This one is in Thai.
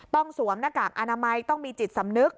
สวมหน้ากากอนามัยต้องมีจิตสำนึก